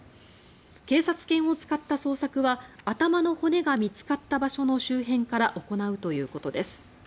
警察権を使った捜索は頭の骨が見つかった場所の周辺から行うということです。